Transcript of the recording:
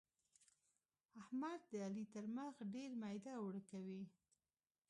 احمد د علي تر مخ ډېر ميده اوړه کوي.